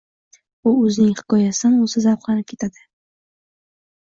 U o‘zining hikoyasidan o‘zi zavqlanib ketadi.